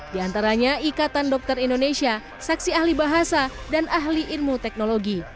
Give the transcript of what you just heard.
di antaranya ikatan dokter indonesia saksi ahli bahasa dan ahli ilmu teknologi